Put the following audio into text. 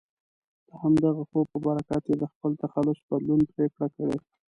د همدغه خوب په برکت یې د خپل تخلص بدلون پرېکړه کړې.